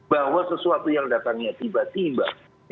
bahwa sesuatu yang datangnya tiba tiba